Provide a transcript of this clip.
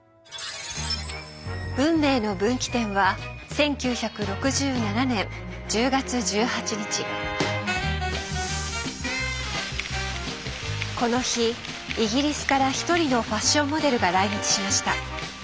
運命の分岐点はこの日イギリスから一人のファッションモデルが来日しました。